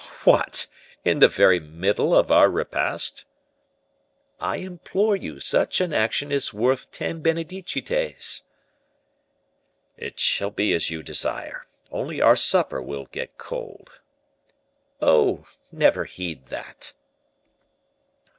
"What! in the very middle of our repast?" "I implore you; such an action is worth ten Benedicites." "It shall be as you desire, only our supper will get cold." "Oh! never heed that."